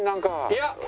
いや。